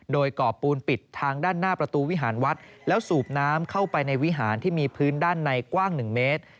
โดยก่อปูนปิดทางด้านหน้าประตูวิหารวัดแล้วสูบน้ำเข้าไปในวิหารที่มีพื้นด้านในกว้าง๑เมตร